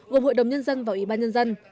gồm hội đồng nhân dân và ủy ban nhân dân